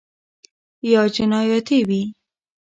یا جنیاتي وي